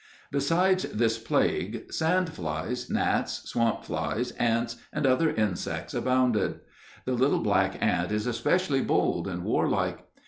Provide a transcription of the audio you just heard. Besides this plague, sand flies, gnats, swamp flies, ants, and other insects abounded. The little black ant is especially bold and warlike.